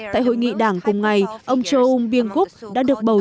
tại hội nghị đảng cùng ngày ông cho ung biên gúc đã được bầu